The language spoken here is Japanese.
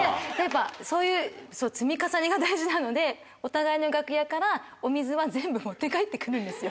そういう積み重ねが大事なのでお互いの楽屋からお水は全部持って帰って来るんですよ